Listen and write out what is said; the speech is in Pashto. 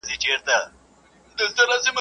ښه کيسه بل ته کوه، ښه خواړه خپل ته ورکوه.